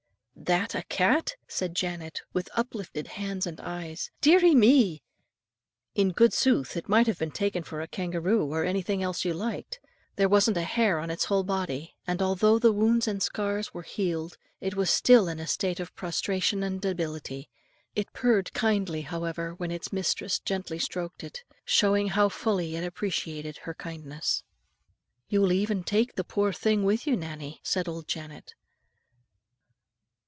"That a cat!" said Janet with uplifted hands and eyes; "dearie me! dearie me!" In good sooth it might have been taken for a kangaroo, or anything else you liked. There wasn't a hair on its whole body; and although the wounds and scars were healed, it was still in a state of prostration and debility. It purred kindly, however, when its mistress gently stroked it, showing how fully it appreciated her kindness. "You'll even take the poor thing wi' you, Nannie," said old Janet.